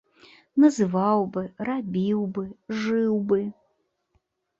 Называў бы, рабіў бы, жыў бы.